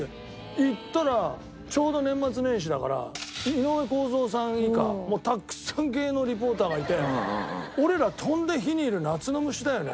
行ったらちょうど年末年始だから井上公造さん以下もうたくさん芸能リポーターがいて俺ら飛んで火に入る夏の虫だよね。